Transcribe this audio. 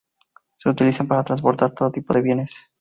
Se utilizan para transportar todo tipo de bienes.